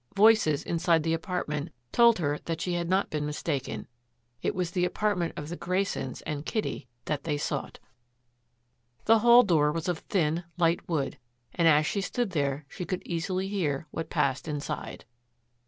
Voices inside the apartment told her that she had not been mistaken. It was the apartment of the Graysons and Kitty that they sought. The hall door was of thin, light wood, and as she stood there she could easily hear what passed inside.